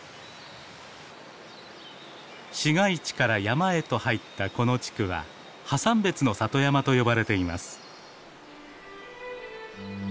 市街地から山へと入ったこの地区は「ハサンベツの里山」と呼ばれています。